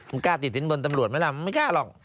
มันกล้าติดศิลป์บ่นตำรัวล์ดนะมันไม่กล้าหรอก